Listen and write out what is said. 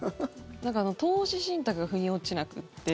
投資信託が腑に落ちなくって。